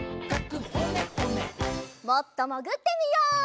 もっともぐってみよう。